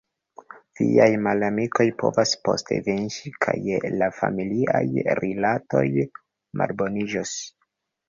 Viaj malamikoj povas poste venĝi – kaj la familiaj rilatoj malboniĝos.